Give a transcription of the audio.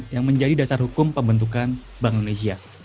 yang menjadi dasar hukum pembentukan bank indonesia